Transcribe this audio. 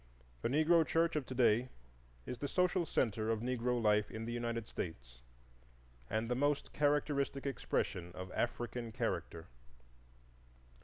The Negro church of to day is the social centre of Negro life in the United States, and the most characteristic expression of African character.